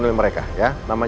jadi gak jelas kan